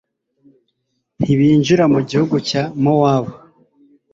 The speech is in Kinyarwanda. ntibinjira mu gihugu cya mowabu